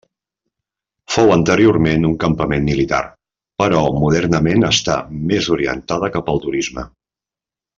Fou anteriorment un campament militar, però modernament està més orientada cap al turisme.